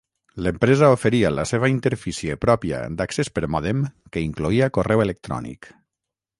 L'empresa oferia la seva interfície pròpia d'accés per mòdem que incloïa correu electrònic.